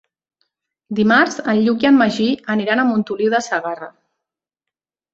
Dimarts en Lluc i en Magí aniran a Montoliu de Segarra.